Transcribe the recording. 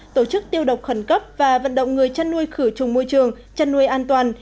tổ chức tiêu độc khẩn cấp và vận động người chăn nuôi khử trùng môi trường chăn nuôi an toàn